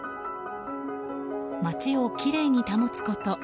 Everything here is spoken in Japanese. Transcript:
街をきれいに保つこと。